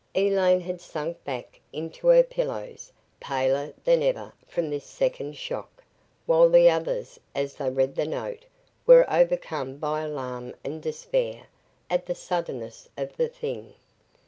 Elaine had sunk back into her pillows, paler than ever from this second shock, while the others, as they read the note, were overcome by alarm and despair, at the suddenness of the thing.